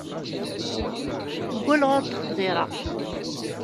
Ggulleɣ ur d-xẓireɣ.